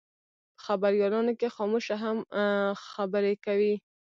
په خبریالانو کې خاموشه هم خبرې کوي.